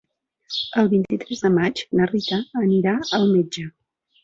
El vint-i-tres de maig na Rita anirà al metge.